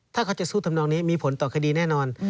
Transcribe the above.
ถ้าเขาจะสู้ทำนองนี้มีผลต่อคดีแน่นอน